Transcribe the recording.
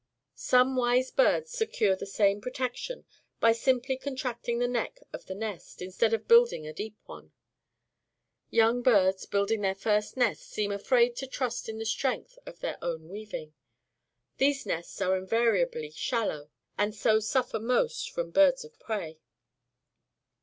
Some wise birds secure the same protection by simply contracting the neck of the nest, instead of building a deep one. Young birds building their first nests seem afraid to trust in the strength of their own weaving. Their nests are invariably shallow, and so suffer most from birds of prey.